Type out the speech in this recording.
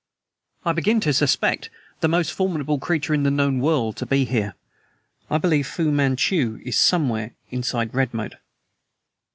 "I begin to suspect the most formidable creature in the known world to be hidden here. I believe Fu Manchu is somewhere inside Redmoat!"